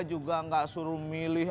juga nggak suruh milih